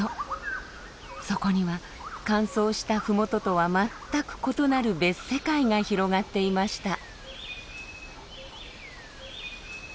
そこには乾燥した麓とは全く異なる別世界が広がっていました。